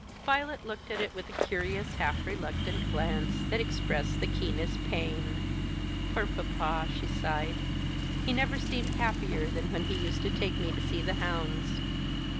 Violet looked at it with a curious half reluctant glance that expressed the keenest pain. "Poor papa," she sighed. "He never seemed happier than when he used to take me to see the hounds."